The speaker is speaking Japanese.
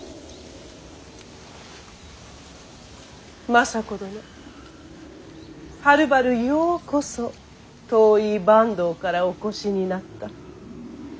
政子殿はるばるようこそ遠い坂東からお越しになった。